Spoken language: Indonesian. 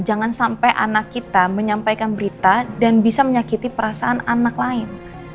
jangan sampai anak kita menyampaikan berita dan bisa menyakiti perasaan anak lain